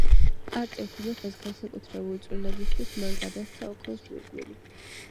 არწივთა მეფეს, განსაკუთრებული წვლილისათვის მან გადასცა ოქროს გვირგვინი.